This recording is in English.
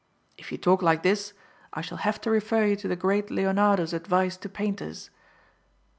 If you talk like this, I shall have to refer you to the great Leonardo's advice to painters."